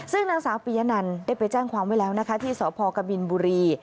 ซึ่งนางสาวปียะนันได้ไปแจ้งความไว้แล้วนะคะที่สพกบินบุรี